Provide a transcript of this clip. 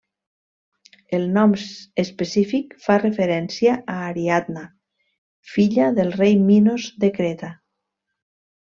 El nom específic fa referència a Ariadna, filla del rei Minos de Creta.